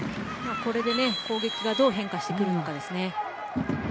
これで攻撃がどう変化してくるのかですね。